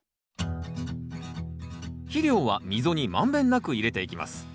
肥料は溝に満遍なく入れていきます。